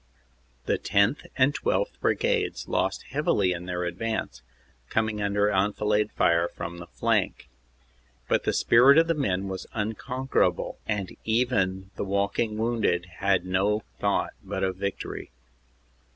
The 10th. and 12th. Brigades lost heavily in their advance, coming under enfilade fire from the flank. But the spirit of the men was unconquerable, and even the walking wounded had no thought but of victory.